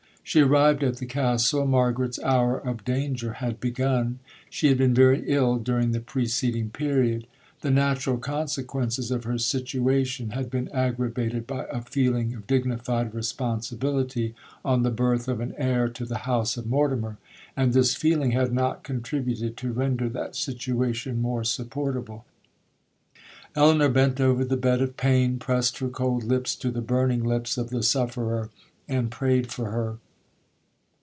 'She arrived at the Castle—Margaret's hour of danger had begun—she had been very ill during the preceding period. The natural consequences of her situation had been aggravated by a feeling of dignified responsibility on the birth of an heir to the house of Mortimer—and this feeling had not contributed to render that situation more supportable. 'Elinor bent over the bed of pain—pressed her cold lips to the burning lips of the sufferer—and prayed for her.